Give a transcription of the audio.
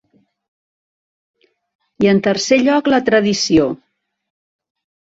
I en tercer lloc la tradició.